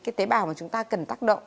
cái tế bào mà chúng ta cần tác động